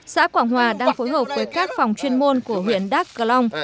xã quảng hòa đang phối hợp với các phòng chuyên môn của huyện đác cà long